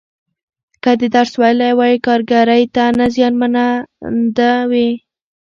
که دې درس ویلی وای، کارګرۍ ته نه نیازمنده وې.